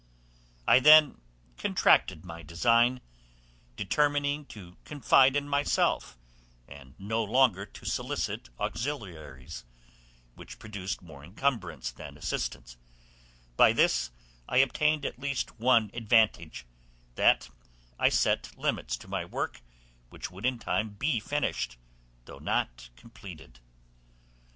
I then contracted my design, determining to confide in myself, and no longer to solicit auxiliaries which produced more incumbrance than assistance; by this I obtained at least one advantage, that I set limits to my work, which would in time be ended, though not completed.